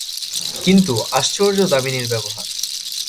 কিন্তু, আশ্চর্য দামিনীর ব্যবহার।